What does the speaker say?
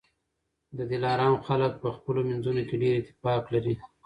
د دلارام خلک په خپلو منځونو کي ډېر اتفاق لري